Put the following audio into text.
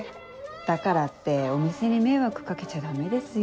だからってお店に迷惑掛けちゃダメですよ。